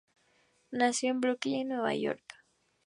Nació en Brooklyn, Nueva York.